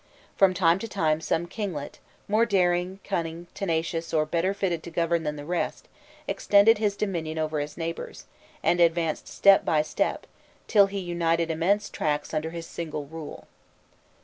From time to time some kinglet, more daring, cunning, tenacious, or better fitted to govern than the rest, extended his dominion over his neighbours, and advanced step by step, till he united immense tracts under his single rule.